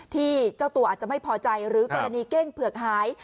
เจ้าตัวอาจจะไม่พอใจหรือกรณีเก้งเผือกหาย